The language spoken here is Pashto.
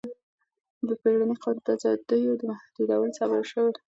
بیړني قوانین د ازادیو د محدودولو سبب شول.